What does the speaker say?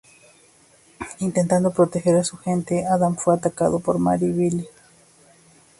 Intentando proteger a su gente, Adam fue atacado por Mary y Billy.